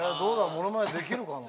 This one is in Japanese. ものまねできるかな？